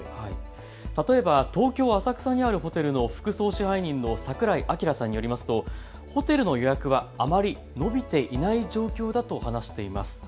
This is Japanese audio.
例えば東京浅草にあるホテルの副総支配人の桜井明さんによりますとホテルの予約はあまり伸びていない状況だと話しています。